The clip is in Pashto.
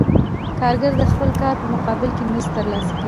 کارګر د خپل کار په مقابل کې مزد ترلاسه کوي